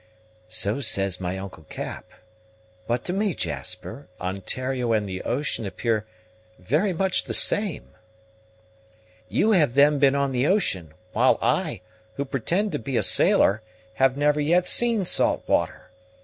"So says my uncle Cap; but to me, Jasper, Ontario and the ocean appear very much the same." "You have then been on the ocean; while I, who pretend to be a sailor, have never yet seen salt water.